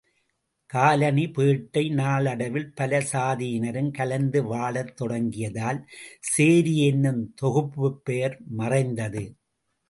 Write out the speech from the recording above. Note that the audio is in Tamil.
காலனி, பேட்டை நாளடைவில் பல சாதியினரும் கலந்து வாழத் தொடங்கியதால், சேரி என்னும் தொகுப்புப் பெயர் மறைந்தது.